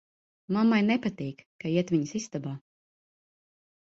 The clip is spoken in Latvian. Mammai nepatīk, ka iet viņas istabā.